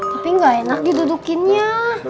tapi ga enak didudukinnya